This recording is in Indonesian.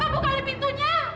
pak bukali pintunya